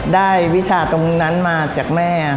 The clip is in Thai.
วิชาตรงนั้นมาจากแม่